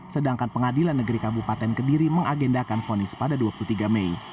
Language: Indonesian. sedangkan pengadilan negeri kabupaten kediri mengagendakan fonis pada dua puluh tiga mei